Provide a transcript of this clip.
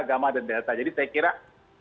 gamma dan delta jadi saya kira ini